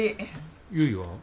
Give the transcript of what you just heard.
ゆいは？